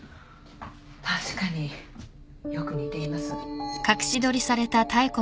確かによく似ています。